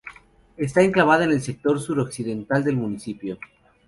Está enclavada en el sector suroccidental del municipio.